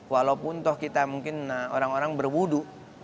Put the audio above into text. walaupun kita mungkin orang orang berwudhu